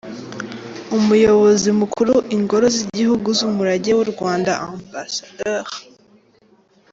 Umuyobozi Mukuru Ingoro z’Igihugu z’Umurage w’u Rwanda, Amb.